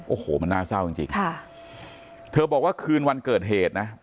โอ้โหมันน่าเศร้าจริงจริงค่ะเธอบอกว่าคืนวันเกิดเหตุนะ